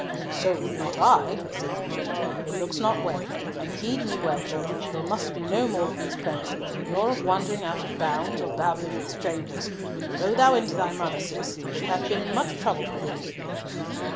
"So would not I," said Richard. "It looks not well, and heed me well, children, there must be no more of these pranks, nor of wandering out of bounds, or babbling with strangers. Go thou in to thy mother, Cis, she hath been in much trouble for thee."